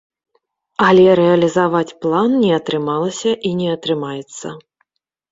Але рэалізаваць план не атрымалася і не атрымаецца.